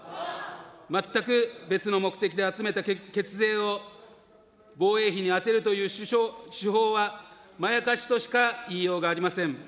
全く別の目的で集めた血税を防衛費に充てるという手法は、まやかしとしか言いようがありません。